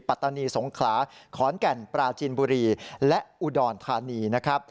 ปัตตานีสงขลาขอนแก่นปราจีนบุรีและอุดรธานีนะครับ